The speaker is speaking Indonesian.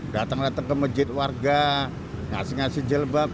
datang datang ke masjid warga ngasih ngasih jelbab